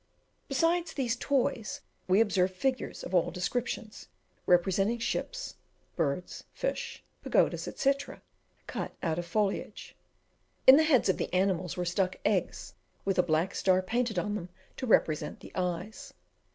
Besides these toys we also observed figures of all descriptions, representing ships, birds, fish, pagodas, etc., cut out of foliage. In the heads of the animals were stuck eggs, with a black star painted on them to represent the eyes.